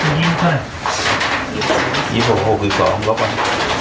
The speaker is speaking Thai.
ส่วนใหญ่ต่างก็ตั้ง